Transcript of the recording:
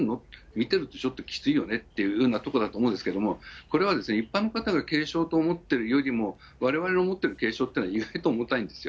見てると、ちょっときついよねっていうところだと思うんですけども、これは、一般の方が軽症と思ってるよりも、われわれの思ってる軽症というのは、意外と重たいんですよ。